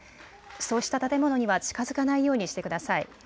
そうした建物には近づかないようにしてください。